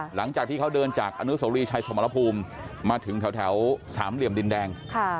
หลังจากที่เขาเดินจากอนุโสรีชายสมรภูมิมาถึงแถวสามเหลี่ยมดินแดง